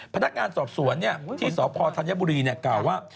พนักงานสอบสวนเนี่ยที่สพธัญบุรีเนี่ยกล่าวว่า